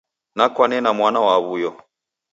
Nakwane na mwana wa awuyo